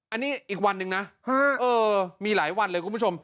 อันนี้อีกวันหนึ่งนะมีหลายวันเลยคุณผู้ชม